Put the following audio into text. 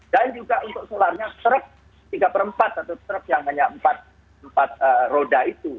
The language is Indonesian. dan juga untuk solarnya truk tiga per empat atau truk yang hanya empat roda itu